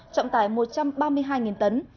trọng tải một trăm ba mươi hai tấn